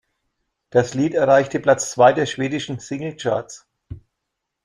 Das Lied erreichte Platz zwei der schwedischen Single-Charts.